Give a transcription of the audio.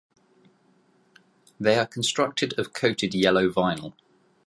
They are constructed of coated yellow vinyl.